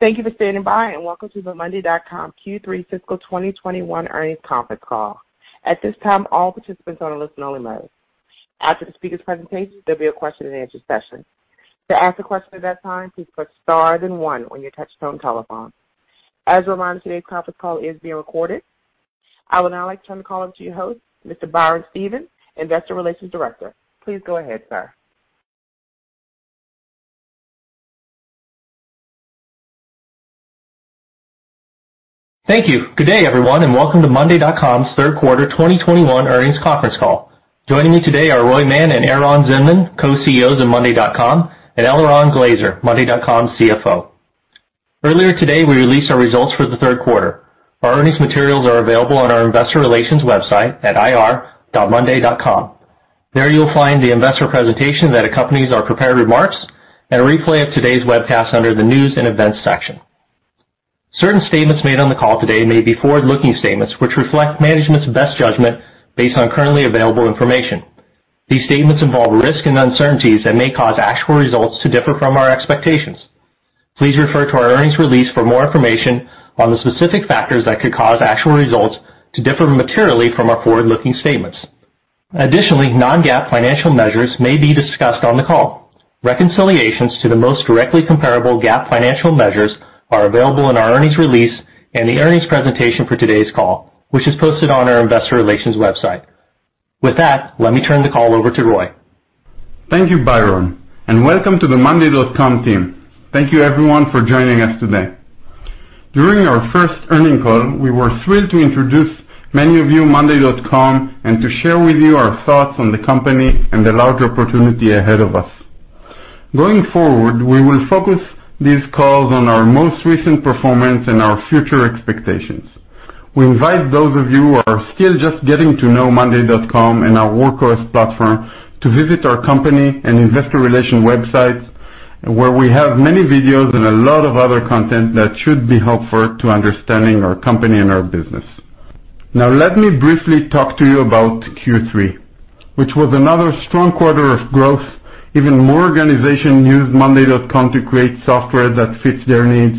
Thank you for standing by, and welcome to the monday.com Q3 fiscal 2021 earnings conference call. At this time, all participants are on a listen only mode. After the speaker's presentation, there'll be a question-and-answer session. To ask a question at that time, please press star then one on your touchtone telephone. As a reminder, today's conference call is being recorded. I would now like to turn the call over to your host, Mr. Byron Stephen, Investor Relations Director. Please go ahead, sir. Thank you. Good day, everyone, and welcome to monday.com's third quarter 2021 earnings conference call. Joining me today are Roy Mann and Eran Zinman, Co-CEOs of monday.com, and Eliran Glazer, monday.com's CFO. Earlier today, we released our results for the third quarter. Our earnings materials are available on our investor relations website at ir.monday.com. There you'll find the investor presentation that accompanies our prepared remarks and a replay of today's webcast under the news and events section. Certain statements made on the call today may be forward-looking statements which reflect management's best judgment based on currently available information. These statements involve risks and uncertainties that may cause actual results to differ from our expectations. Please refer to our earnings release for more information on the specific factors that could cause actual results to differ materially from our forward-looking statements. Additionally, non-GAAP financial measures may be discussed on the call. Reconciliations to the most directly comparable GAAP financial measures are available in our earnings release and the earnings presentation for today's call, which is posted on our investor relations website. With that, let me turn the call over to Roy. Thank you, Byron, and welcome to the monday.com team. Thank you everyone for joining us today. During our first earnings call, we were thrilled to introduce many of you to monday.com and to share with you our thoughts on the company and the larger opportunity ahead of us. Going forward, we will focus these calls on our most recent performance and our future expectations. We invite those of you who are still just getting to know monday.com and our WorkOS platform to visit our company and investor relations websites, where we have many videos and a lot of other content that should be helpful to understanding our company and our business. Now let me briefly talk to you about Q3, which was another strong quarter of growth. Even more organizations used monday.com to create software that fits their needs.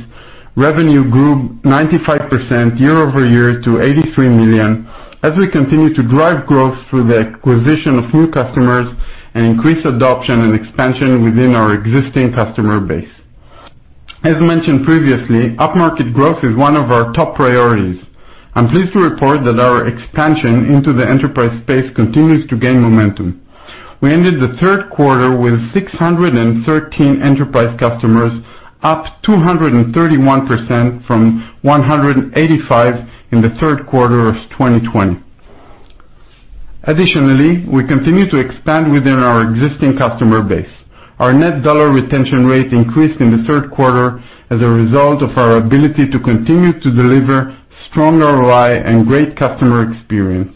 Revenue grew 95% year-over-year to $83 million as we continue to drive growth through the acquisition of new customers and increase adoption and expansion within our existing customer base. As mentioned previously, upmarket growth is one of our top priorities. I'm pleased to report that our expansion into the enterprise space continues to gain momentum. We ended the third quarter with 613 enterprise customers, up 231% from 185 in the third quarter of 2020. Additionally, we continue to expand within our existing customer base. Our net dollar retention rate increased in the third quarter as a result of our ability to continue to deliver strong ROI and great customer experience.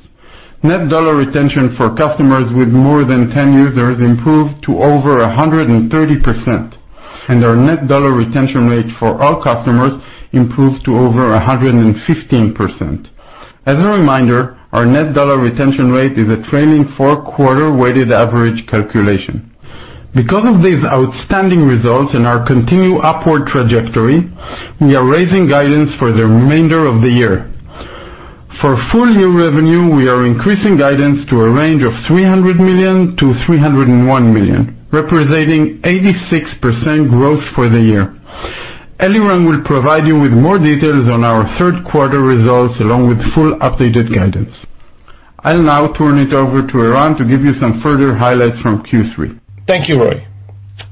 Net dollar retention for customers with more than 10 users improved to over 130%, and our net dollar retention rate for all customers improved to over 115%. As a reminder, our net dollar retention rate is a trailing four-quarter weighted average calculation. Because of these outstanding results and our continued upward trajectory, we are raising guidance for the remainder of the year. For full year revenue, we are increasing guidance to a range of $300 million-$301 million, representing 86% growth for the year. Eliran will provide you with more details on our third quarter results along with full updated guidance. I'll now turn it over to Eran to give you some further highlights from Q3. Thank you, Roy.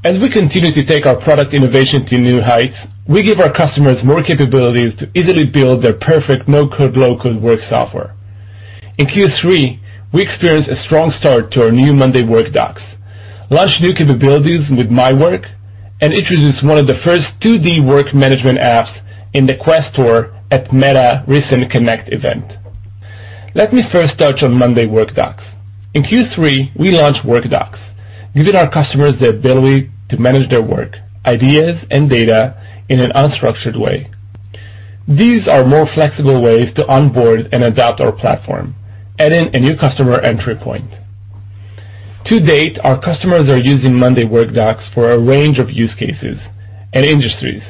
As we continue to take our product innovation to new heights, we give our customers more capabilities to easily build their perfect no-code, low-code work software. In Q3, we experienced a strong start to our new monday workdocs, launched new capabilities with My Work, and introduced one of the first 2D work management apps in the Quest Store at Meta's recent Connect event. Let me first touch on monday workdocs. In Q3, we launched workdocs, giving our customers the ability to manage their work, ideas, and data in an unstructured way. These are more flexible ways to onboard and adopt our platform, adding a new customer entry point. To date, our customers are using monday workdocs for a range of use cases and industries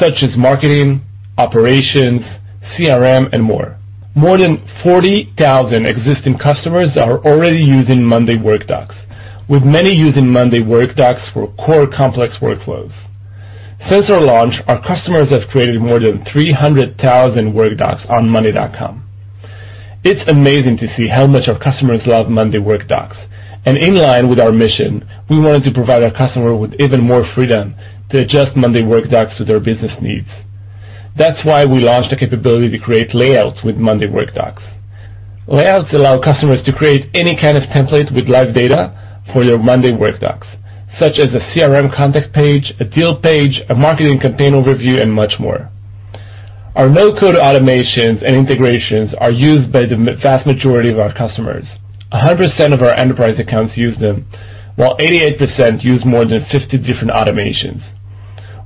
such as marketing, operations, CRM, and more. More than 40,000 existing customers are already using monday workdocs, with many using monday workdocs for core complex workflows. Since our launch, our customers have created more than 300,000 workdocs on monday.com. It's amazing to see how much our customers love monday workdocs. In line with our mission, we wanted to provide our customer with even more freedom to adjust monday workdocs to their business needs. That's why we launched a capability to create layouts with monday workdocs. Layouts allow customers to create any kind of template with live data for your monday workdocs, such as a CRM contact page, a deal page, a marketing campaign overview, and much more. Our no-code automations and integrations are used by the vast majority of our customers. 100% of our enterprise accounts use them, while 88% use more than 50 different automations.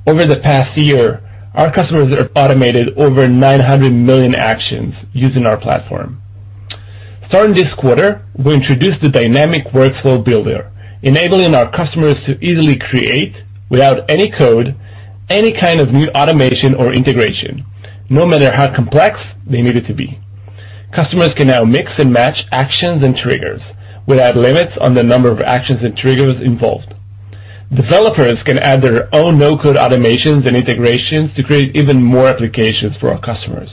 Over the past year, our customers have automated over 900 million actions using our platform. Starting this quarter, we introduced the dynamic workflow builder, enabling our customers to easily create, without any code, any kind of new automation or integration, no matter how complex they need it to be. Customers can now mix and match actions and triggers without limits on the number of actions and triggers involved. Developers can add their own no-code automations and integrations to create even more applications for our customers.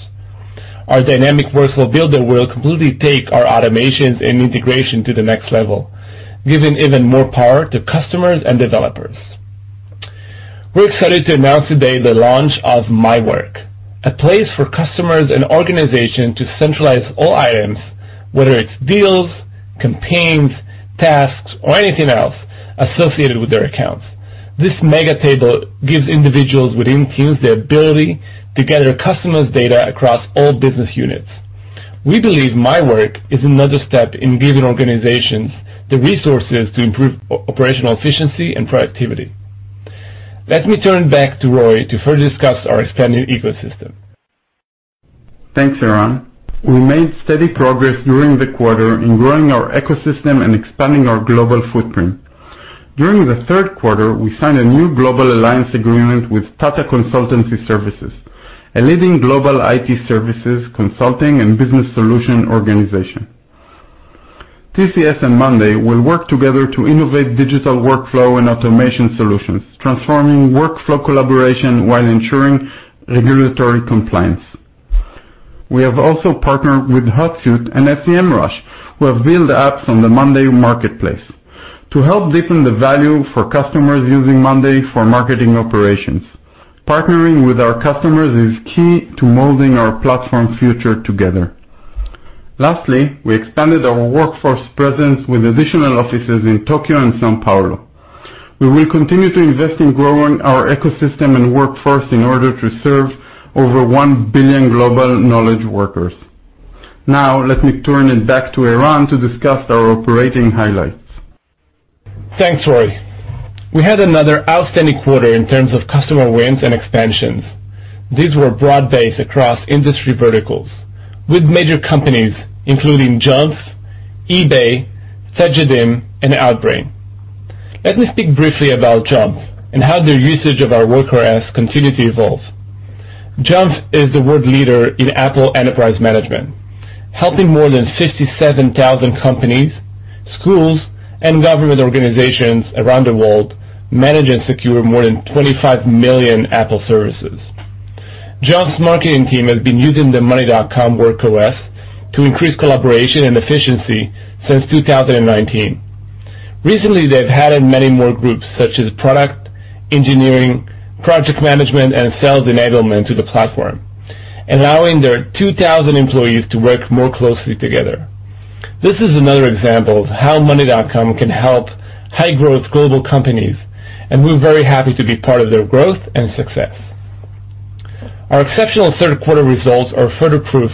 Our dynamic workflow builder will completely take our automations and integration to the next level, giving even more power to customers and developers. We're excited to announce today the launch of My Work, a place for customers and organization to centralize all items, whether it's deals, campaigns, tasks, or anything else associated with their accounts. This mega table gives individuals within teams the ability to gather customers' data across all business units. We believe My Work is another step in giving organizations the resources to improve operational efficiency and productivity. Let me turn back to Roy to further discuss our expanding ecosystem. Thanks, Eran. We made steady progress during the quarter in growing our ecosystem and expanding our global footprint. During the third quarter, we signed a new global alliance agreement with Tata Consultancy Services, a leading global IT services, consulting, and business solution organization. TCS and monday.com will work together to innovate digital workflow and automation solutions, transforming workflow collaboration while ensuring regulatory compliance. We have also partnered with Hootsuite and Semrush, who have built apps on the monday marketplace to help deepen the value for customers using monday.com for marketing operations. Partnering with our customers is key to molding our platform future together. Lastly, we expanded our workforce presence with additional offices in Tokyo and São Paulo. We will continue to invest in growing our ecosystem and workforce in order to serve over one billion global knowledge workers. Now, let me turn it back to Eran to discuss our operating highlights. Thanks, Roy. We had another outstanding quarter in terms of customer wins and expansions. These were broad-based across industry verticals, with major companies including Jamf, eBay, Cegedim, and Outbrain. Let me speak briefly about Jamf and how their usage of our WorkOS continue to evolve. Jamf is the world leader in Apple enterprise management, helping more than 57,000 companies, schools, and government organizations around the world manage and secure more than 25 million Apple devices. Jamf's marketing team has been using the monday.com WorkOS to increase collaboration and efficiency since 2019. Recently, they've added many more groups, such as product, engineering, project management, and sales enablement to the platform, allowing their 2,000 employees to work more closely together. This is another example of how monday.com can help high-growth global companies, and we're very happy to be part of their growth and success. Our exceptional third quarter results are further proof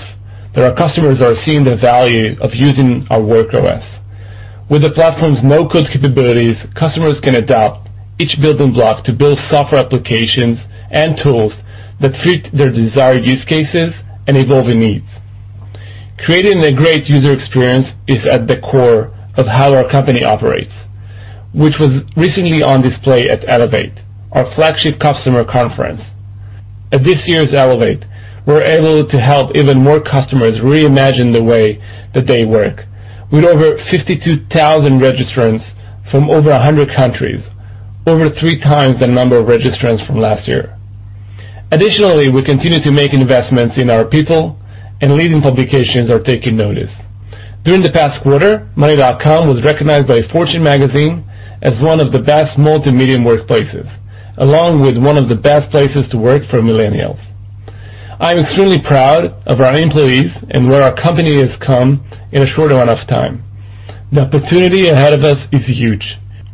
that our customers are seeing the value of using our WorkOS. With the platform's no-code capabilities, customers can adapt each building block to build software applications and tools that fit their desired use cases and evolving needs. Creating a great user experience is at the core of how our company operates, which was recently on display at Elevate, our flagship customer conference. At this year's Elevate, we're able to help even more customers reimagine the way that they work with over 52,000 registrants from over 100 countries, over three times the number of registrants from last year. Additionally, we continue to make investments in our people, and leading publications are taking notice. During the past quarter, monday.com was recognized by Fortune Magazine as one of the best medium workplaces, along with one of the best places to work for millennials. I am extremely proud of our employees and where our company has come in a short amount of time. The opportunity ahead of us is huge.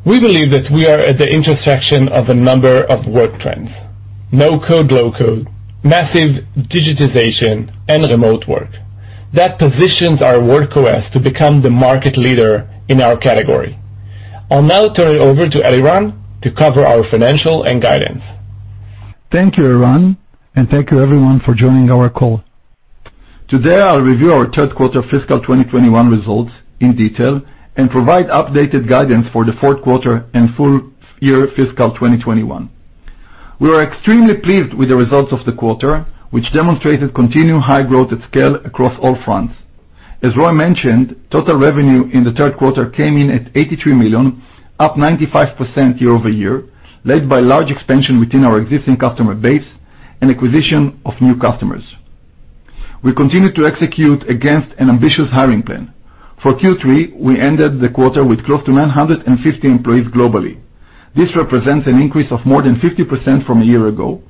We believe that we are at the intersection of a number of work trends, no-code, low-code, massive digitization, and remote work that positions our WorkOS to become the market leader in our category. I'll now turn it over to Eliran to cover our financials and guidance. Thank you, Eran, and thank you everyone for joining our call. Today, I'll review our third quarter fiscal 2021 results in detail and provide updated guidance for the fourth quarter and full year fiscal 2021. We are extremely pleased with the results of the quarter, which demonstrated continued high growth at scale across all fronts. As Roy mentioned, total revenue in the third quarter came in at $83 million, up 95% year-over-year, led by large expansion within our existing customer base and acquisition of new customers. We continued to execute against an ambitious hiring plan. For Q3, we ended the quarter with close to 950 employees globally. This represents an increase of more than 50% from a year ago,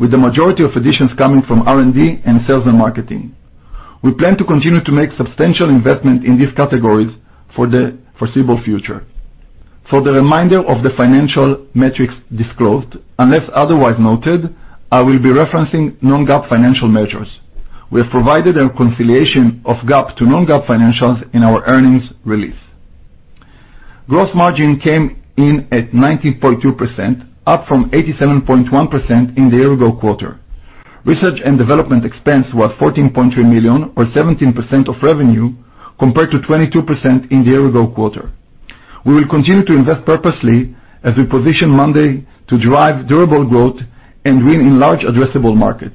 with the majority of additions coming from R&D and sales and marketing. We plan to continue to make substantial investment in these categories for the foreseeable future. For the remainder of the financial metrics disclosed, unless otherwise noted, I will be referencing non-GAAP financial measures. We have provided a reconciliation of GAAP to non-GAAP financials in our earnings release. Gross margin came in at 90.2%, up from 87.1% in the year ago quarter. Research and development expense was $14.3 million or 17% of revenue compared to 22% in the year ago quarter. We will continue to invest purposely as we position Monday to drive durable growth and win in large addressable markets.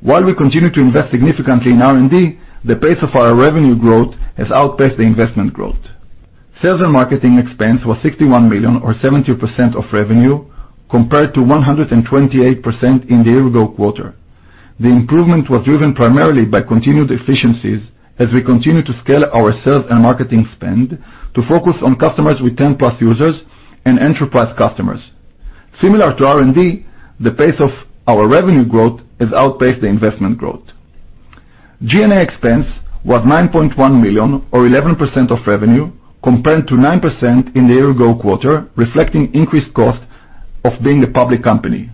While we continue to invest significantly in R&D, the pace of our revenue growth has outpaced the investment growth. Sales and marketing expense was $61 million or 70% of revenue, compared to 128% in the year ago quarter. The improvement was driven primarily by continued efficiencies as we continue to scale our sales and marketing spend to focus on customers with 10+ users and enterprise customers. Similar to R&D, the pace of our revenue growth has outpaced the investment growth. G&A expense was $9.1 million or 11% of revenue compared to 9% in the year ago quarter, reflecting increased cost of being a public company.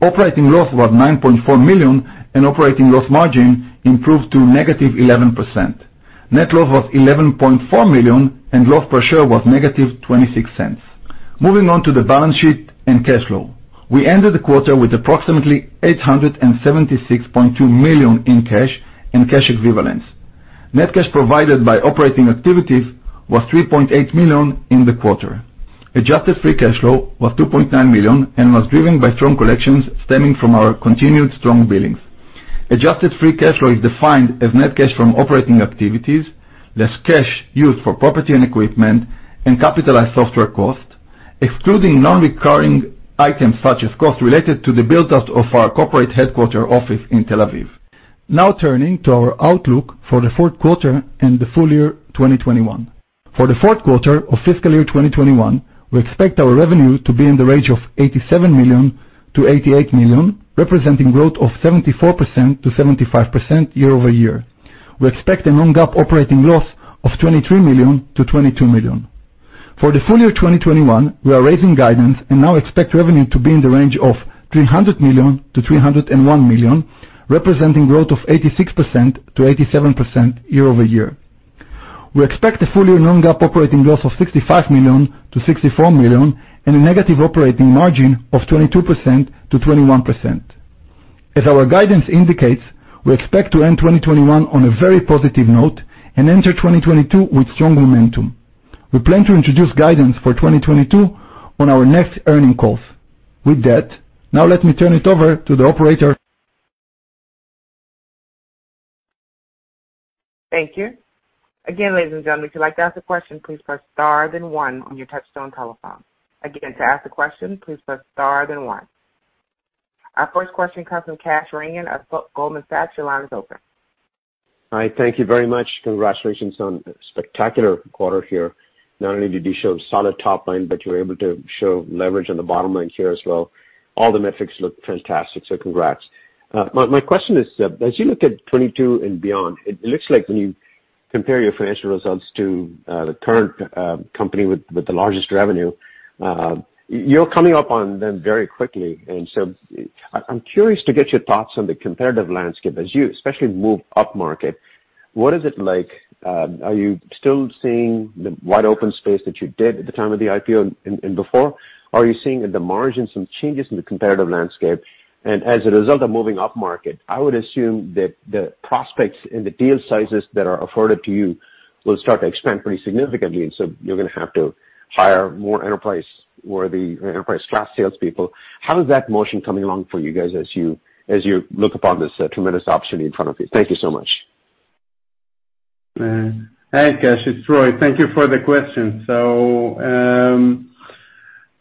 Operating loss was $9.4 million, and operating loss margin improved to -11%. Net loss was $11.4 million and loss per share was -$0.26. Moving on to the balance sheet and cash flow. We ended the quarter with approximately $876.2 million in cash and cash equivalents. Net cash provided by operating activities was $3.8 million in the quarter. Adjusted free cash flow was $2.9 million and was driven by strong collections stemming from our continued strong billings. Adjusted free cash flow is defined as net cash from operating activities, less cash used for property and equipment and capitalized software cost, excluding non-recurring items such as costs related to the build out of our corporate headquarter office in Tel Aviv. Now turning to our outlook for the fourth quarter and the full year 2021. For the fourth quarter of fiscal year 2021, we expect our revenue to be in the range of $87 million-$88 million, representing growth of 74%-75% year-over-year. We expect a non-GAAP operating loss of $23 million-$22 million. For the full year 2021, we are raising guidance and now expect revenue to be in the range of $300 million-$301 million, representing growth of 86%-87% year-over-year. We expect the full year non-GAAP operating loss of $65 million-$64 million and a negative operating margin of 22%-21%. As our guidance indicates, we expect to end 2021 on a very positive note and enter 2022 with strong momentum. We plan to introduce guidance for 2022 on our next earnings call. With that, now let me turn it over to the operator. Thank you. Again, ladies and gentlemen, if you'd like to ask a question, please press star then one on your touchtone telephone. Again, to ask a question, please press star then one. Our first question comes from Kash Rangan of Goldman Sachs. Your line is open. All right. Thank you very much. Congratulations on a spectacular quarter here. Not only did you show solid top line, but you were able to show leverage on the bottom line here as well. All the metrics look fantastic, so congrats. My question is, as you look at 2022 and beyond, it looks like when you compare your financial results to the current company with the largest revenue, you're coming up on them very quickly. I'm curious to get your thoughts on the comparative landscape as you especially move up market. What is it like? Are you still seeing the wide open space that you did at the time of the IPO and before? Are you seeing in the margins some changes in the comparative landscape? As a result of moving up market, I would assume that the prospects in the deal sizes that are afforded to you will start to expand pretty significantly, and so you're gonna have to hire more enterprise worthy or enterprise class salespeople. How is that motion coming along for you guys as you look upon this tremendous option in front of you? Thank you so much. Hi, Kash, it's Roy. Thank you for the question.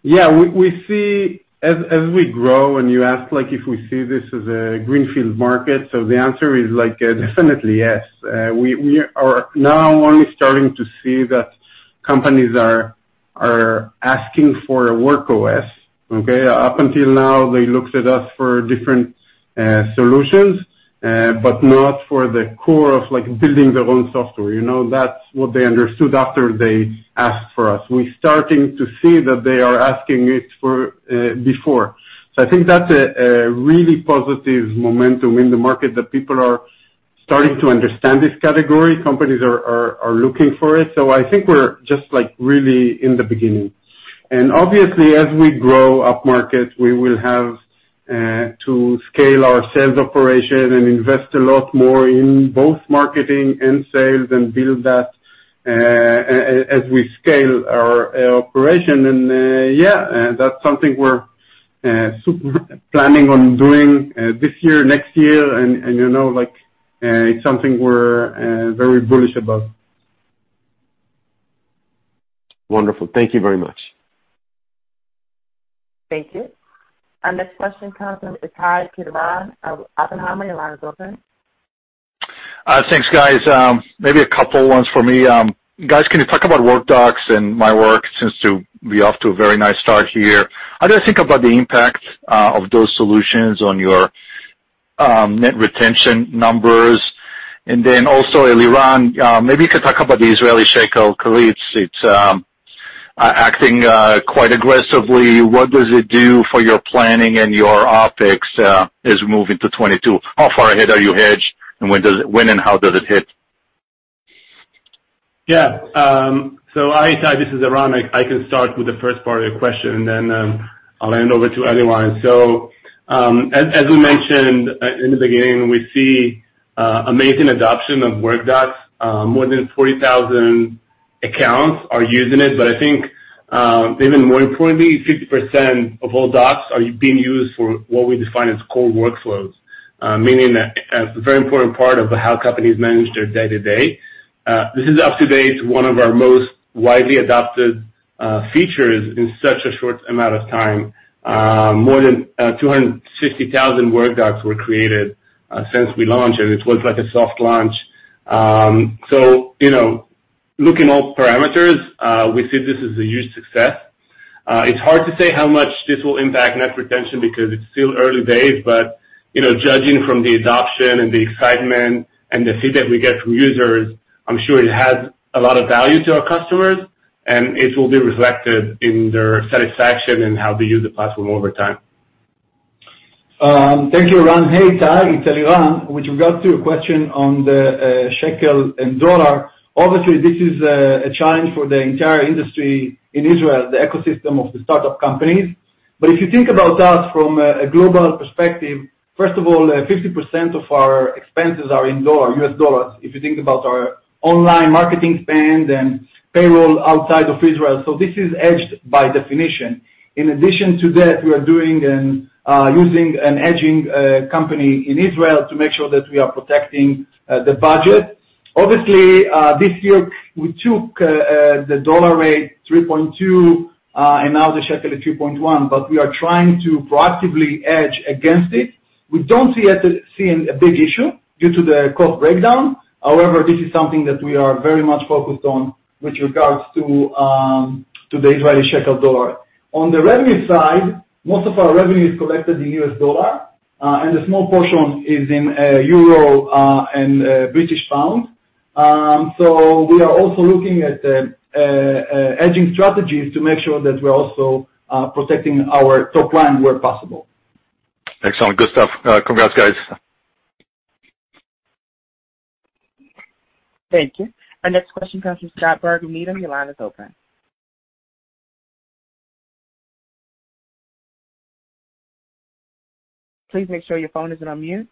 We see as we grow and you ask like if we see this as a greenfield market. The answer is like, definitely yes. We are now only starting to see that companies are asking for a WorkOS, okay? Up until now, they looked at us for different solutions, but not for the core of like building their own software. You know, that's what they understood after they asked for us. We're starting to see that they are asking it for before. I think that's a really positive momentum in the market that people are starting to understand this category. Companies are looking for it. I think we're just like, really in the beginning. Obviously, as we grow up market, we will have to scale our sales operation and invest a lot more in both marketing and sales and build that as we scale our operation. Yeah, that's something we're super planning on doing this year, next year. You know, like, it's something we're very bullish about. Wonderful. Thank you very much. Thank you. Our next question comes from Ittai Kidron of Oppenheimer. Your line is open. Thanks, guys. Maybe a couple ones for me. Guys, can you talk about workdocs and My Work seems to be off to a very nice start here. How do you think about the impact of those solutions on your net retention numbers? Then also, Eliran, maybe you could talk about the Israeli shekel, 'cause it's acting quite aggressively. What does it do for your planning and your OpEx as we move into 2022? How far ahead are you hedged, and when and how does it hit? Yeah. Hi Ittai, this is Eran. I can start with the first part of your question and then I'll hand over to Eliran. As we mentioned in the beginning, we see amazing adoption of workdocs. More than 40,000 accounts are using it. But I think even more importantly, 50% of all docs are being used for what we define as core workflows, meaning that a very important part of how companies manage their day-to-day. This is up-to-date one of our most widely adopted features in such a short amount of time. More than 260,000 workdocs were created since we launched, and it was like a soft launch. You know, looking at all parameters, we see this as a huge success. It's hard to say how much this will impact net retention because it's still early days but, you know, judging from the adoption and the excitement and the feedback we get from users, I'm sure it has a lot of value to our customers, and it will be reflected in their satisfaction in how they use the platform over time. Thank you, Eran. Hey, Ittai, it's Eliran. With regards to your question on the shekel and dollar, obviously, this is a challenge for the entire industry in Israel, the ecosystem of the start-up companies. If you think about us from a global perspective, first of all, 50% of our expenses are in dollar, US dollars, if you think about our online marketing spend and payroll outside of Israel. This is hedged by definition. In addition to that, we are doing and using a hedging company in Israel to make sure that we are protecting the budget. Obviously, this year, we took the dollar rate 3.2, and now the shekel is 2.1, but we are trying to proactively hedge against it. We don't see it as being a big issue due to the cost breakdown. However, this is something that we are very much focused on with regards to the Israeli shekel. On the revenue side, most of our revenue is collected in U.S. dollar, and a small portion is in euro and British pound. We are also looking at hedging strategies to make sure that we're also protecting our top line where possible. Excellent. Good stuff. Congrats, guys. Thank you. Our next question comes from Scott Berg, Needham. Your line is open. Please make sure your phone isn't on mute.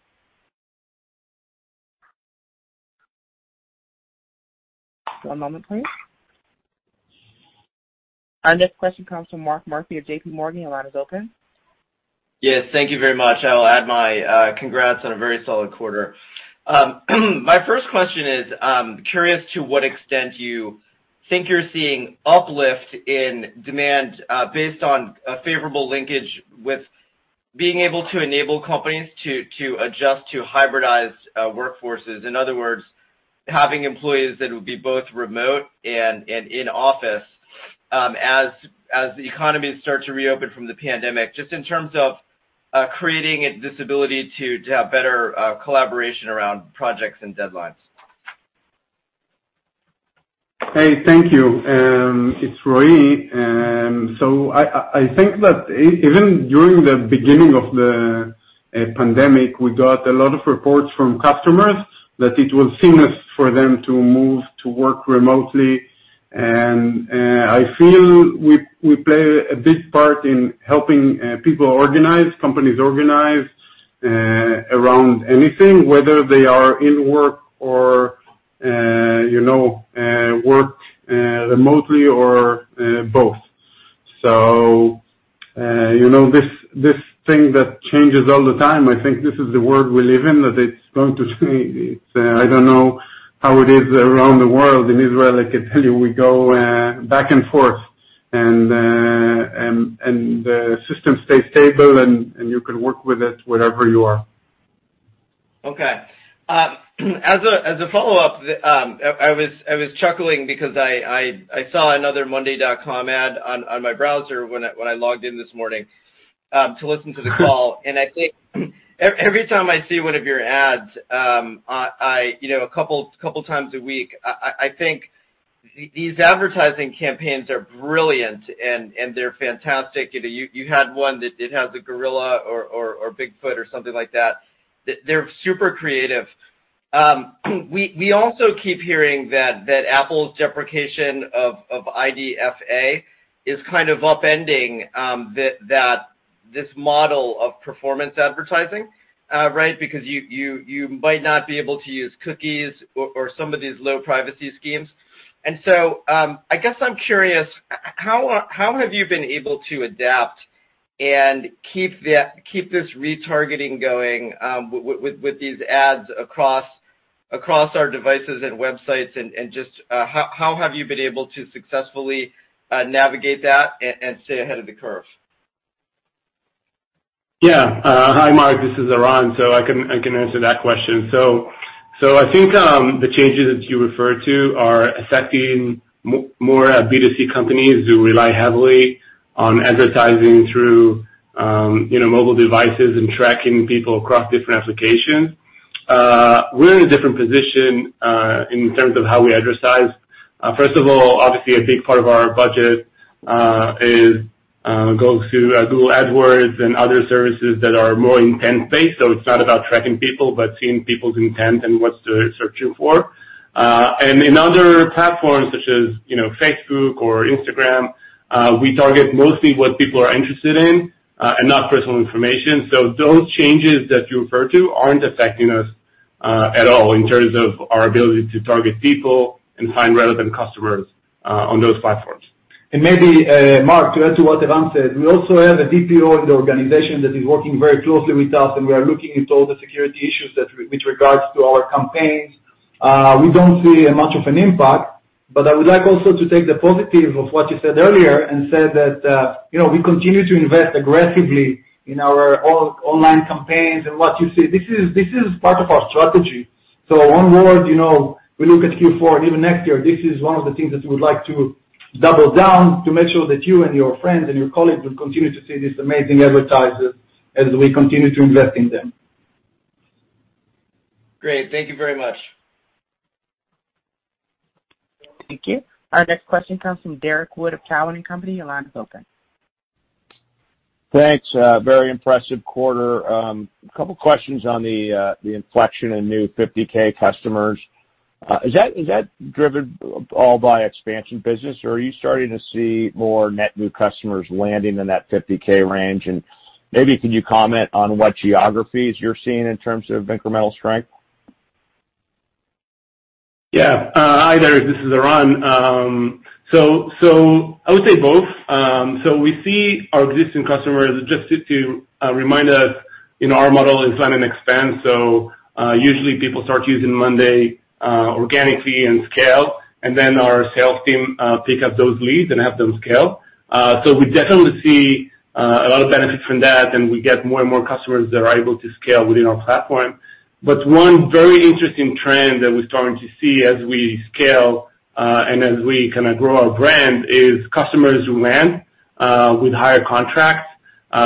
One moment, please. Our next question comes from Mark Murphy of JPMorgan. Your line is open. Yes. Thank you very much. I'll add my congrats on a very solid quarter. My first question is curious to what extent you think you're seeing uplift in demand based on a favorable linkage with being able to enable companies to adjust to hybridized workforces. In other words, having employees that will be both remote and in office as the economy start to reopen from the pandemic, just in terms of creating this ability to have better collaboration around projects and deadlines? Hey, thank you. It's Roy. I think that even during the beginning of the pandemic, we got a lot of reports from customers that it was seamless for them to move to work remotely. I feel we play a big part in helping people organize, companies organize around anything, whether they are in work or you know, work remotely or both. You know, this thing that changes all the time, I think this is the world we live in, that it's going to change. I don't know how it is around the world. In Israel, I can tell you we go back and forth and the system stays stable and you can work with it wherever you are. Okay. As a follow-up, I was chuckling because I saw another monday.com ad on my browser when I logged in this morning to listen to the call. I think every time I see one of your ads, you know, a couple times a week, I think these advertising campaigns are brilliant and they're fantastic. You know, you had one that had the gorilla or Bigfoot or something like that. They're super creative. We also keep hearing that Apple's deprecation of IDFA is kind of upending that this model of performance advertising, right? Because you might not be able to use cookies or some of these low privacy schemes. I guess I'm curious, how have you been able to adapt and keep this retargeting going with these ads across our devices and websites? Just how have you been able to successfully navigate that and stay ahead of the curve? Yeah. Hi, Mark. This is Eran. I can answer that question. I think the changes that you refer to are affecting more B2C companies who rely heavily on advertising through, you know, mobile devices and tracking people across different applications. We're in a different position in terms of how we advertise. First of all, obviously a big part of our budget goes through Google Ads and other services that are more intent based. It's not about tracking people, but seeing people's intent and what they're searching for. And in other platforms such as, you know, Facebook or Instagram, we target mostly what people are interested in and not personal information. Those changes that you refer to aren't affecting us at all in terms of our ability to target people and find relevant customers on those platforms. Maybe, Mark, to add to what Eran said, we also have a DPO in the organization that is working very closely with us, and we are looking into all the security issues that with regards to our campaigns. We don't see much of an impact, but I would like also to take the positive of what you said earlier and say that, you know, we continue to invest aggressively in our online campaigns and what you see. This is part of our strategy. One word, you know, we look at Q4 and even next year, this is one of the things that we would like to double down to make sure that you and your friends and your colleagues will continue to see these amazing advertisers as we continue to invest in them. Great. Thank you very much. Thank you. Our next question comes from Derrick Wood of Cowen and Company. Your line is open. Thanks. Very impressive quarter. A couple questions on the inflection in new 50K customers. Is that driven by expansion business, or are you starting to see more net new customers landing in that 50K range? Maybe could you comment on what geographies you're seeing in terms of incremental strength? Hi there. This is Eran. I would say both. We see our existing customers just to remind us, you know, our model is land and expand. Usually people start using monday organically and scale, and then our sales team pick up those leads and have them scale. We definitely see a lot of benefit from that, and we get more and more customers that are able to scale within our platform. One very interesting trend that we're starting to see as we scale and as we kinda grow our brand is customers who land with higher contracts,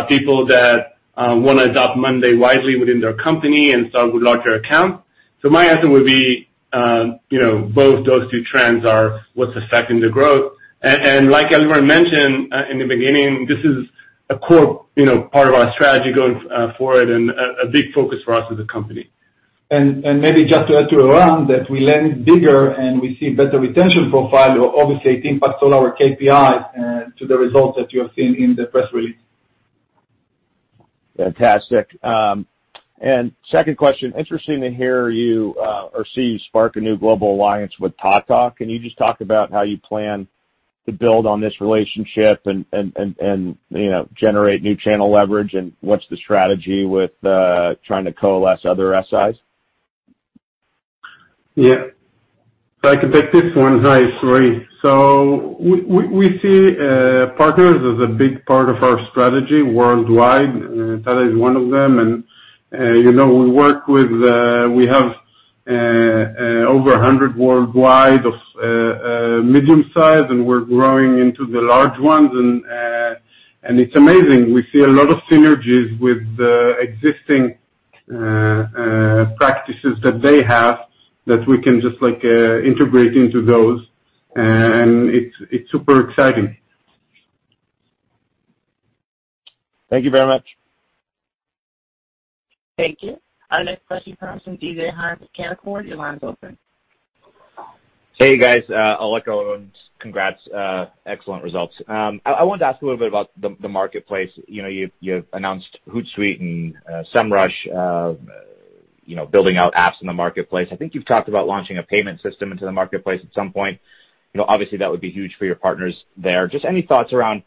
people that wanna adopt monday widely within their company and start with larger accounts. My answer would be, you know, both those two trends are what's affecting the growth. Like Eliran mentioned in the beginning, this is a core, you know, part of our strategy going forward and a big focus for us as a company. Maybe just to add to Eran, that we land bigger and we see better retention profile. Obviously it impacts all our KPI to the results that you have seen in the press release. Fantastic. Second question. Interesting to hear you or see you spark a new global alliance with Tata. Can you just talk about how you plan to build on this relationship and, you know, generate new channel leverage and what's the strategy with trying to coalesce other SIs? Yeah. If I can take this one. Hi, it's Roy. We see partners as a big part of our strategy worldwide. Tata is one of them, and you know, we work with. We have over 100 worldwide of medium size, and we're growing into the large ones. It's amazing. We see a lot of synergies with the existing practices that they have that we can just like integrate into those. It's super exciting. Thank you very much. Thank you. Our next question comes from DJ Hynes with Canaccord. Your line is open. Hey, guys. I'll let go of those. Congrats. Excellent results. I wanted to ask a little bit about the marketplace. You know, you've announced Hootsuite and Semrush, you know, building out apps in the marketplace. I think you've talked about launching a payment system into the marketplace at some point. You know, obviously that would be huge for your partners there. Just any thoughts around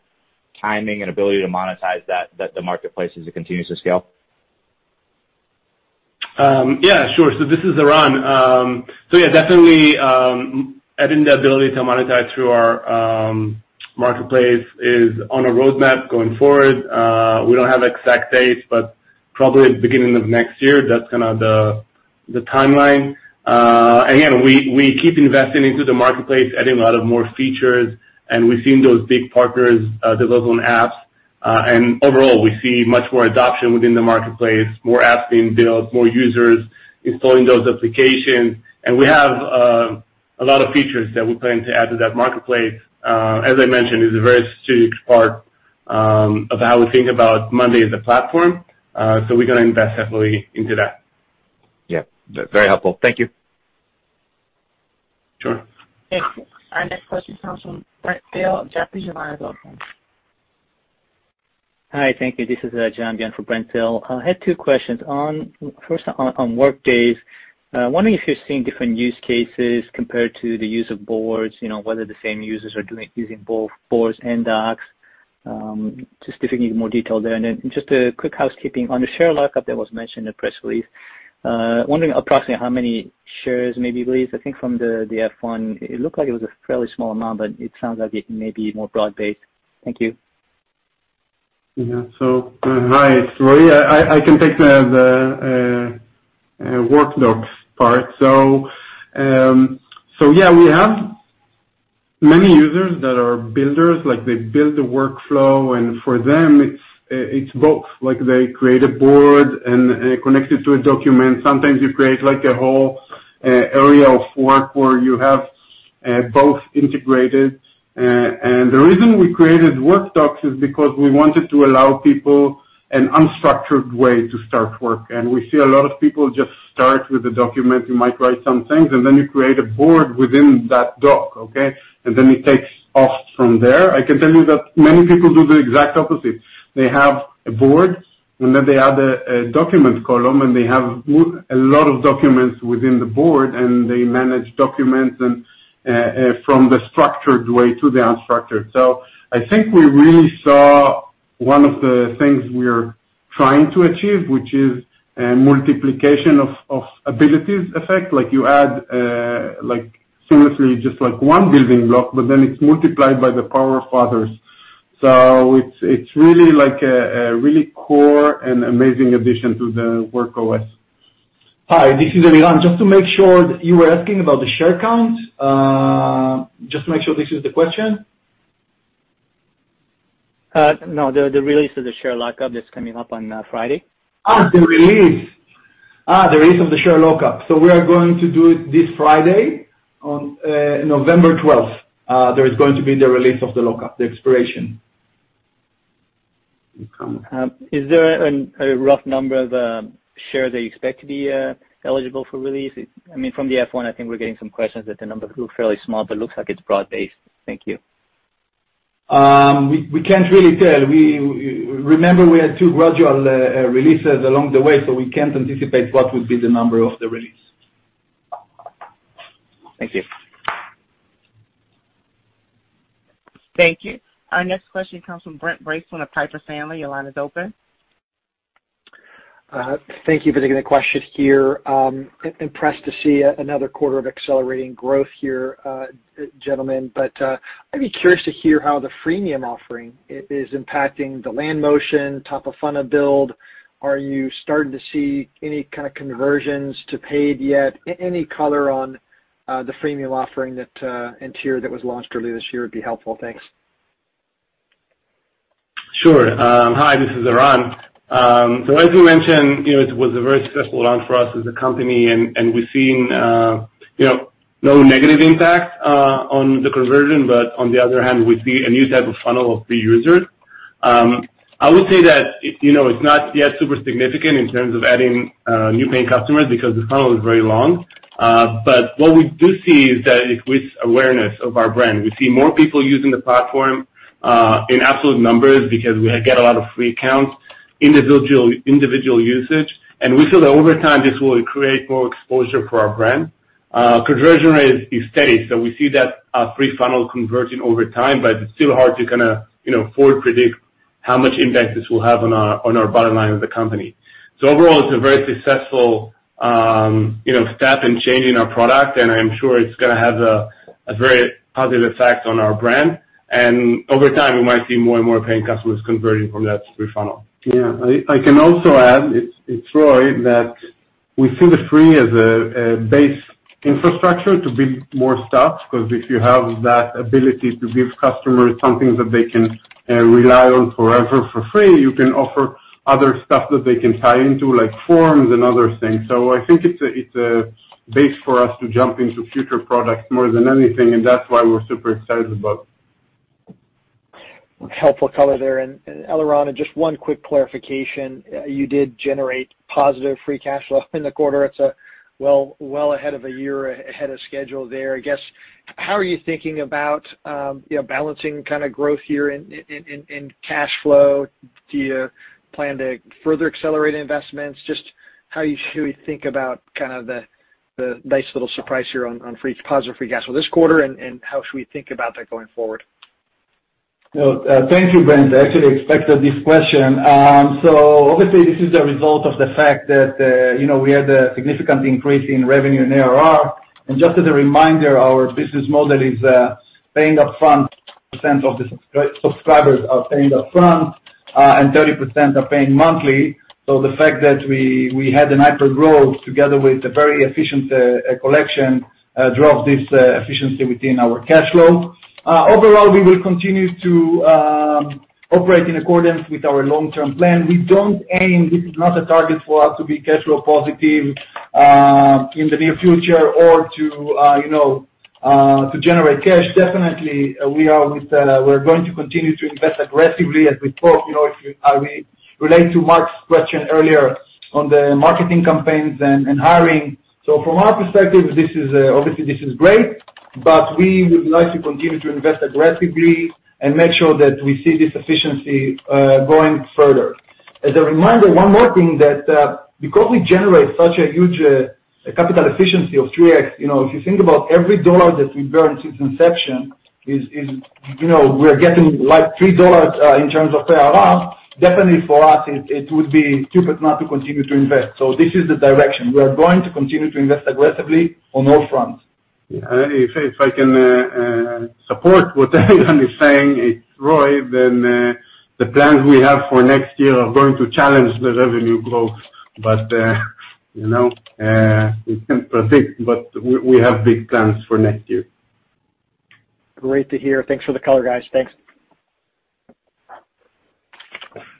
timing and ability to monetize that, the marketplace as it continues to scale? This is Eran. Definitely, adding the ability to monetize through our marketplace is on a roadmap going forward. We don't have exact dates, but probably beginning of next year, that's kinda the timeline. Again, we keep investing into the marketplace, adding a lot more features, and we've seen those big partners develop apps. Overall, we see much more adoption within the marketplace, more apps being built, more users installing those applications. We have a lot of features that we plan to add to that marketplace. As I mentioned, it's a very strategic part of how we think about monday.com as a platform. We're gonna invest heavily into that. Yeah. Very helpful. Thank you. Sure. Thank you. Our next question comes from Brent Thill. Jefferies, your line is open. Hi. Thank you. This is Jeff Yan for Brent Thill. I had two questions. First, on workdocs, wondering if you're seeing different use cases compared to the use of boards, you know, whether the same users are using both boards and docs. Just if you can give more detail there. Just a quick housekeeping. On the share lockup that was mentioned in the press release, wondering approximately how many shares maybe released. I think from the F-1, it looked like it was a fairly small amount, but it sounds like it may be more broad-based? Thank you. Hi, it's Roy. I can take the work docs part. Yeah, we have many users that are builders. Like they build the workflow, and for them it's both. Like they create a board and connect it to a document. Sometimes you create like a whole area of work where you have- Both integrated. The reason we created workdocs is because we wanted to allow people an unstructured way to start work. We see a lot of people just start with the document. You might write some things, and then you create a board within that doc, okay? It takes off from there. I can tell you that many people do the exact opposite. They have a board, and then they add a document column, and they have a lot of documents within the board, and they manage documents and from the structured way to the unstructured. I think we really saw one of the things we are trying to achieve, which is a multiplication of abilities effect. Like, you add, like seriously, just like one building block, but then it is multiplied by the power of others. It's really like a really core and amazing addition to the WorkOS. Hi, this is Eliran. Just to make sure, you were asking about the share count? Just to make sure this is the question. No, the release of the share lockup that's coming up on Friday? The release of the share lockup. We are going to do it this Friday, on November 12th. There is going to be the release of the lockup, the expiration. Is there a rough number of shares that you expect to be eligible for release? I mean, from the F-1, I think we're getting some questions that the numbers look fairly small, but looks like it's broad-based. Thank you. We can't really tell. Remember we had two gradual releases along the way, so we can't anticipate what would be the number of the release. Thank you. Thank you. Our next question comes from Brent Bracelin from Piper Sandler. Your line is open. Thank you for taking the question here. Impressed to see another quarter of accelerating growth here, gentlemen. I'd be curious to hear how the freemium offering is impacting the land motion, top of funnel build. Are you starting to see any kind of conversions to paid yet? Any color on the freemium offering that iteration that was launched earlier this year would be helpful. Thanks. Sure. Hi, this is Eran. As we mentioned, you know, it was a very successful launch for us as a company, and we're seeing, you know, no negative impact on the conversion. On the other hand, we see a new type of funnel of free users. I would say that, you know, it's not yet super significant in terms of adding new paying customers because the funnel is very long. What we do see is that it boosts awareness of our brand. We see more people using the platform in absolute numbers because we get a lot of free accounts, individual usage, and we feel that over time, this will create more exposure for our brand. Conversion rate is steady, so we see that free funnel converting over time, but it's still hard to kinda, you know, forward predict how much impact this will have on our bottom line of the company. Overall, it's a very successful, you know, step in changing our product, and I'm sure it's gonna have a very positive effect on our brand. Over time, we might see more and more paying customers converting from that free funnel. Yeah. I can also add, it's Roy, that we see the free as a base infrastructure to build more stuff, 'cause if you have that ability to give customers something that they can rely on forever for free, you can offer other stuff that they can tie into, like forms and other things. I think it's a base for us to jump into future products more than anything, and that's why we're super excited about it. Helpful color there. Eliran, just one quick clarification. You did generate positive free cash flow in the quarter. It's well ahead of a year ahead of schedule there. I guess, how are you thinking about, you know, balancing kinda growth here in cash flow? Do you plan to further accelerate investments? Just how should we think about kinda the nice little surprise here on positive free cash flow this quarter, and how should we think about that going forward? Well, thank you, Brent. I actually expected this question. Obviously this is a result of the fact that, you know, we had a significant increase in revenue and ARR. Just as a reminder, our business model is paying up front. 70% of the subscribers are paying up front, and 30% are paying monthly. The fact that we had a hyper growth together with a very efficient collection drove this efficiency within our cash flow. Overall, we will continue to operate in accordance with our long-term plan. We don't aim, this is not a target for us to be cash flow positive in the near future or to, you know, to generate cash. Definitely, we're going to continue to invest aggressively as we talk, you know, we relate to Mark's question earlier on the marketing campaigns and hiring. From our perspective, this is obviously great, but we would like to continue to invest aggressively and make sure that we see this efficiency going further. As a reminder, one more thing that because we generate such a huge capital efficiency of 3x, you know, if you think about every dollar that we burn since inception is, you know, we're getting like $3 in terms of ARR, definitely for us it would be stupid not to continue to invest. This is the direction. We are going to continue to invest aggressively on all fronts. Yeah. If I can support what Eliran is saying, it's Roy. Then, the plans we have for next year are going to challenge the revenue growth. You know, we can't predict, but we have big plans for next year. Great to hear. Thanks for the color, guys. Thanks.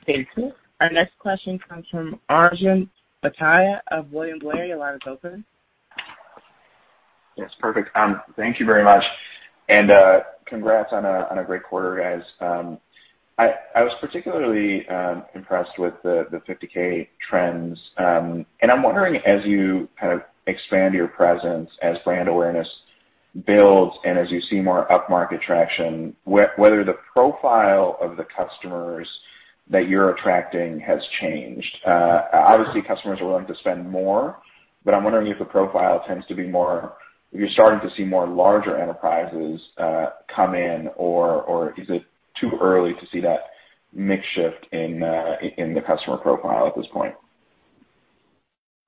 Thank you. Our next question comes from Arjun Bhatia of William Blair. Your line is open. Yes, perfect. Thank you very much. Congrats on a great quarter, guys. I was particularly impressed with the 50K trends. I'm wondering as you kind of expand your presence as brand awareness builds and as you see more up-market traction, whether the profile of the customers that you're attracting has changed. Obviously, customers are willing to spend more, but I'm wondering if the profile tends to be more if you're starting to see more larger enterprises come in or if it is too early to see that mix shift in the customer profile at this point?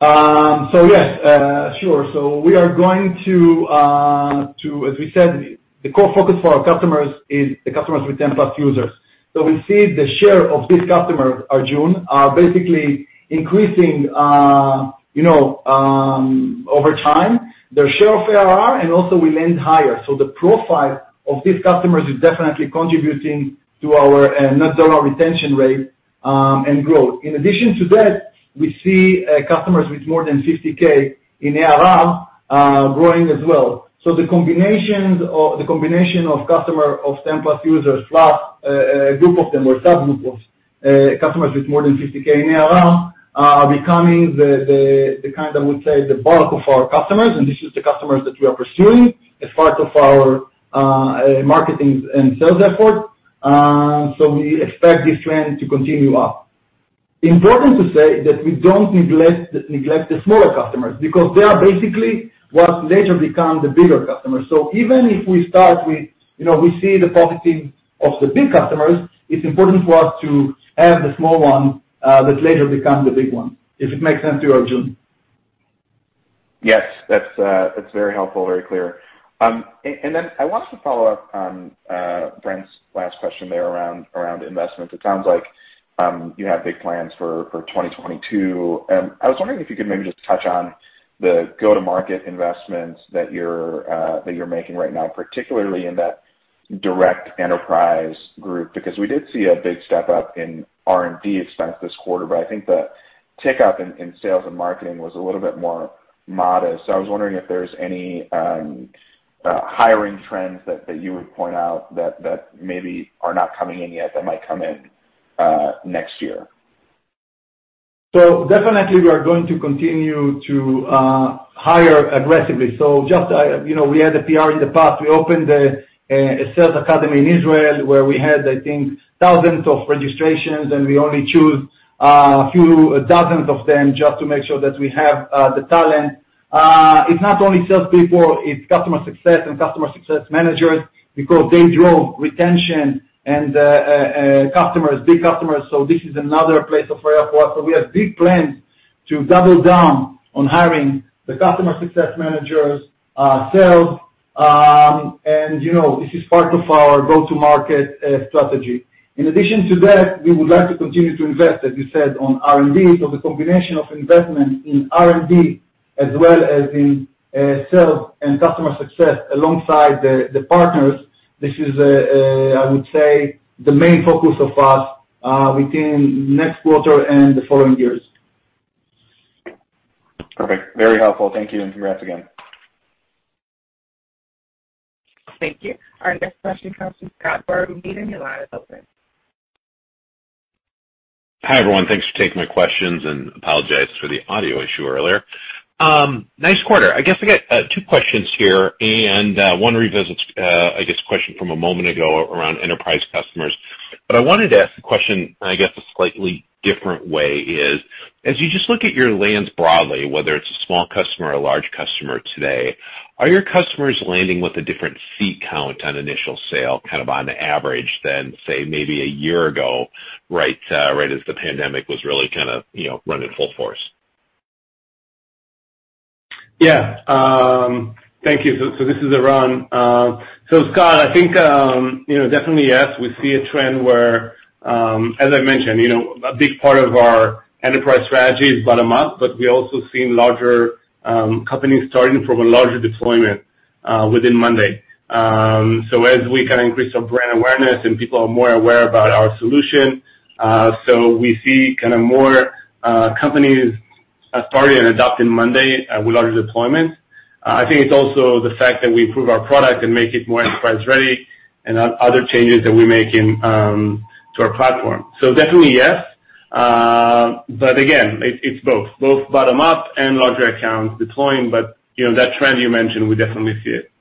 Yes. Sure. As we said, the core focus for our customers is the customers with 10+ users. We see the share of this customer, Arjun, are basically increasing, you know, over time. Their share of ARR and also we land higher. The profile of these customers is definitely contributing to our net dollar retention rate, and growth. In addition to that, we see customers with more than 50K in ARR, growing as well. The combination of customer of 10 plus users plus, group of them or subgroup of, customers with more than 50K in ARR are becoming the kind, I would say, the bulk of our customers, and this is the customers that we are pursuing as part of our, marketing and sales effort. We expect this trend to continue up. Important to say that we don't neglect the smaller customers because they are basically what later become the bigger customers. Even if we start with, you know, we see the positive of the big customers, it's important for us to have the small one, that later become the big one. If it makes sense to you, Arjun. Yes. That's very helpful, very clear. Then I wanted to follow up on Brent's last question there around investments. It sounds like you have big plans for 2022. I was wondering if you could maybe just touch on the go-to-market investments that you're making right now, particularly in that direct enterprise group. Because we did see a big step up in R&D expense this quarter, but I think the tick up in sales and marketing was a little bit more modest. I was wondering if there's any hiring trends that you would point out that maybe are not coming in yet that might come in next year? Definitely we are going to continue to hire aggressively. Just you know, we had a PR in the past. We opened a sales academy in Israel where we had, I think, thousands of registrations, and we only choose a few dozens of them just to make sure that we have the talent. It's not only salespeople, it's customer success and customer success managers because they drove retention and customers, big customers, so this is another place of hire for us. We have big plans to double down on hiring the customer success managers, sales, and you know, this is part of our go-to-market strategy. In addition to that, we would like to continue to invest, as you said, on R&D. The combination of investment in R&D as well as in sales and customer success alongside the partners. This is, I would say, the main focus of us between next quarter and the following years. Perfect. Very helpful. Thank you. Congrats again. Thank you. Our next question comes from Scott Berg, BMO Capital Markets. Your line is open. Hi, everyone. Thanks for taking my questions, and apologize for the audio issue earlier. Nice quarter. I guess I got two questions here and one revisits I guess a question from a moment ago around enterprise customers. I wanted to ask the question a slightly different way, is as you just look at your lands broadly, whether it's a small customer or a large customer today, are your customers landing with a different seat count on initial sale, kind of on average than, say, maybe a year ago, right as the pandemic was really you know running full force? Yeah. Thank you. This is Eran. Scott, I think you know, definitely yes, we see a trend where, as I mentioned, you know, a big part of our enterprise strategy is bottom up, but we also seen larger companies starting from a larger deployment within Monday. As we can increase our brand awareness and people are more aware about our solution, we see kinda more companies starting and adopting Monday with larger deployments. I think it's also the fact that we improve our product and make it more enterprise ready and other changes that we make into our platform. Definitely, yes. Again, it's both. Both bottom up and larger accounts deploying. You know, that trend you mentioned, we definitely see it.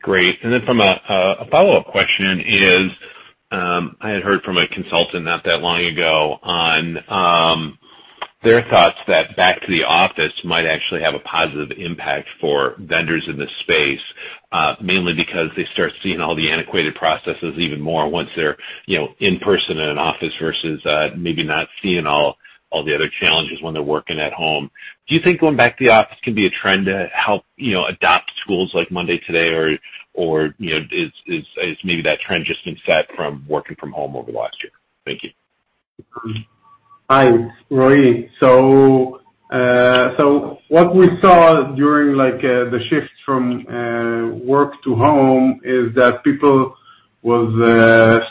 Great. Then a follow-up question is, I had heard from a consultant not that long ago on their thoughts that back to the office might actually have a positive impact for vendors in this space, mainly because they start seeing all the antiquated processes even more once they're, you know, in person in an office versus maybe not seeing all the other challenges when they're working at home. Do you think going back to the office can be a trend to help, you know, adopt tools like monday.com or, you know, is maybe that trend just being set from working from home over the last year? Thank you. Hi, it's Roy. What we saw during like the shift from work to home is that people was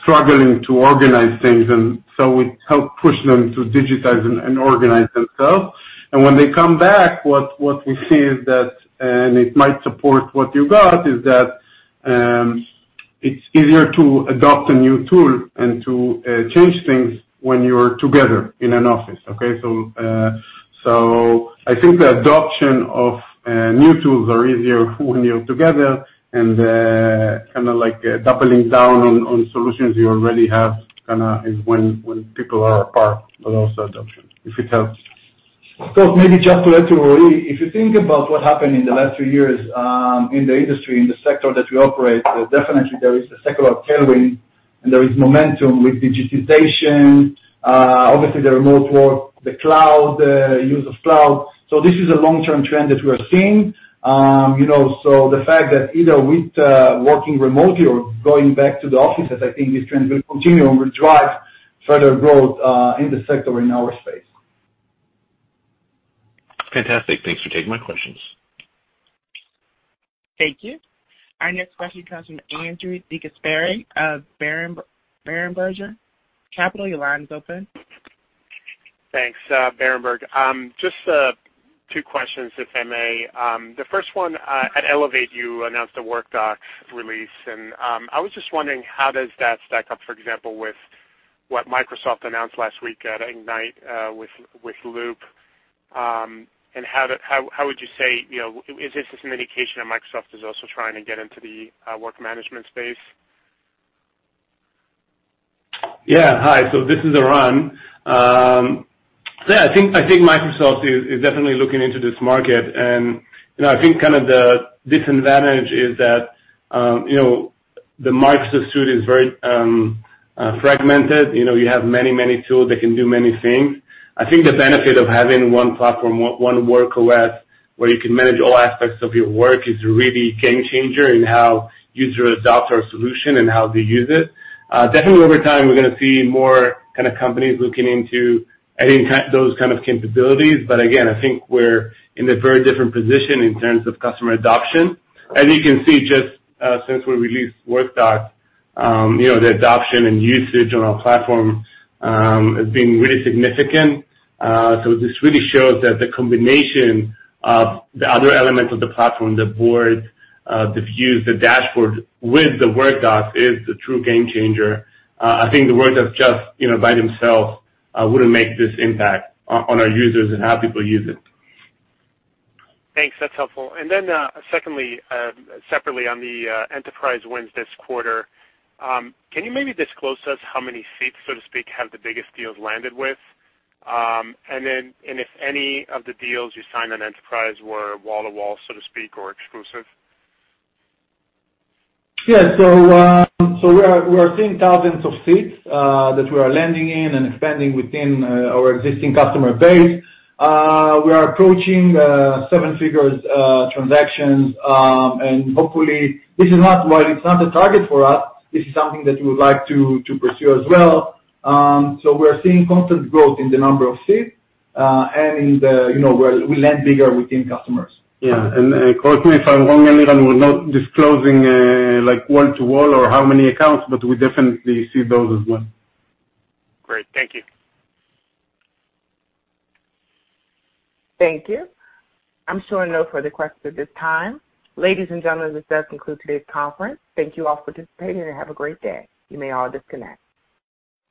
struggling to organize things, and so we helped push them to digitize and organize themselves. When they come back, what we see is that, and it might support what you got, is that it's easier to adopt a new tool and to change things when you're together in an office, okay. I think the adoption of new tools are easier when you're together and kinda like doubling down on solutions you already have, kinda is when people are apart, but also adoption, if it helps. Of course, maybe just to add to Roy. If you think about what happened in the last three years, in the industry, in the sector that we operate, definitely there is a secular tailwind, and there is momentum with digitization, obviously the remote work, the cloud, the use of cloud. This is a long-term trend that we are seeing. You know, so the fact that either with working remotely or going back to the offices, I think this trend will continue and will drive further growth, in the sector in our space. Fantastic. Thanks for taking my questions. Thank you. Our next question comes from Andrew DeGasperi of Berenberg Capital Markets, your line is open. Thanks. Berenberg. Just two questions, if I may. The first one, at Elevate, you announced the workdocs release, and I was just wondering how does that stack up, for example, with what Microsoft announced last week at Ignite, with Loop. How would you say, you know, is this an indication that Microsoft is also trying to get into the work management space? Yeah. Hi. This is Eran. I think Microsoft is definitely looking into this market and, you know, I think kind of the disadvantage is that, you know, the market is very fragmented. You know, you have many tools that can do many things. I think the benefit of having one platform, one workload where you can manage all aspects of your work is a really game changer in how users adopt our solution and how they use it. Definitely over time, we're gonna see more kind of companies looking into adding those kind of capabilities, but again, I think we're in a very different position in terms of customer adoption. As you can see, just since we released workdocs, you know, the adoption and usage on our platform has been really significant. This really shows that the combination of the other elements of the platform, the board, the views, the dashboard with the workdocs is the true game changer. I think the workdocs just, you know, by themselves, wouldn't make this impact on our users and how people use it. Thanks. That's helpful. Secondly, separately on the enterprise wins this quarter, can you maybe disclose to us how many seats, so to speak, have the biggest deals landed with? Then, if any of the deals you signed on enterprise were wall to wall, so to speak, or exclusive? We are seeing thousands of seats that we are landing in and expanding within our existing customer base. We are approaching seven-figure transactions, and hopefully, while it's not a target for us, this is something that we would like to pursue as well. We're seeing constant growth in the number of seats, and, you know, we lend bigger within customers. Yeah. Correct me if I'm wrong, Eliran, we're not disclosing, like wall to wall or how many accounts, but we definitely see those as well. Great. Thank you. Thank you. I'm showing no further questions at this time. Ladies and gentlemen, this does conclude today's conference. Thank you all for participating and have a great day. You may all disconnect.